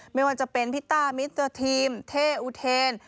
ไม่ว่าจะเป็นพี่ต้ามิสเตอร์ทีมเท่อุเทน